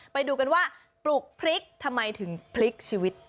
ไปดูกันว่าปลูกพริกทำไมถึงพลิกชีวิต